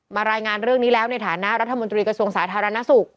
รายงานเรื่องนี้แล้วในฐานะรัฐมนตรีกระทรวงสาธารณสุข